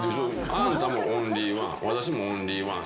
あなたもオンリーワン私もオンリーワンすごいね。